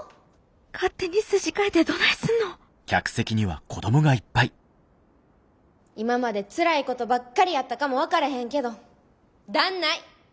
勝手に筋変えてどないすんの今までつらいことばっかりやったかも分かれへんけどだんない。